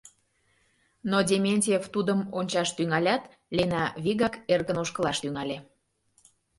Но Дементьев тудым ончаш тӱҥалят, Лена вигак эркын ошкылаш тӱҥале.